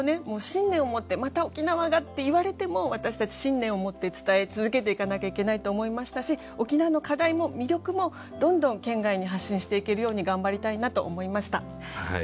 信念を持って「また沖縄が」って言われても私たち信念を持って伝え続けていかなきゃいけないと思いましたし沖縄の課題も魅力もどんどん県外に発信していけるように頑張りたいなと思いました。